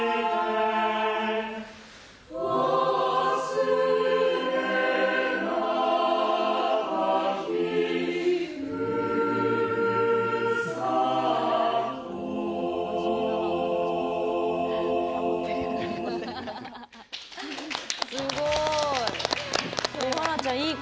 すごい！